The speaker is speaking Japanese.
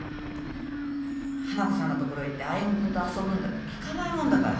花子さんのところへ行って歩君と遊ぶんだって聞かないもんだから。